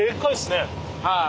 はい。